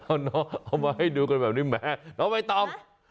เอามาให้ดูกันแบบนี้แม่เอาไม่ต้อง